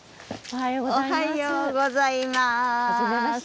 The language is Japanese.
おはようございます。